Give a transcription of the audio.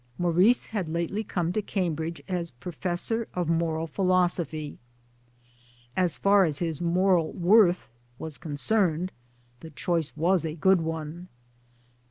Maurice had lately come to Cambridge as Professor of Moral Philosophy. As far as his moral worth was concerned, the choice was a good one.